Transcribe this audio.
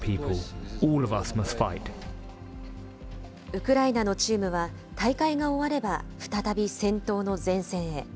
ウクライナのチームは、大会が終われば再び戦闘の前線へ。